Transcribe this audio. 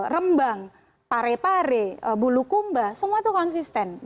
rembang pare pare bulukumba semua itu konsisten